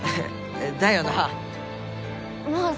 だよな。